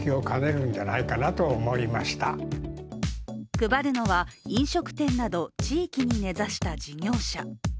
配るのは、飲食店など地域に根ざした事業者。